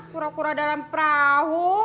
kura kura dalam perahu